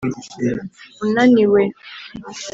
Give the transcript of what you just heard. unaniwe